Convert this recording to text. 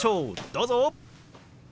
どうぞ。